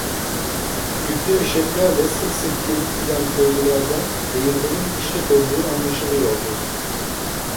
Yüklü eşeklerle sık sık gelip giden köylülerden, değirmenin işlek olduğu anlaşılıyordu.